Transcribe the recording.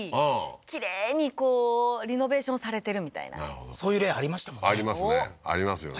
きれいにこうリノベーションされてるみたいなそういう例ありましたもんねありますねありますよね